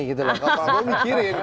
kalau prabowo mikirin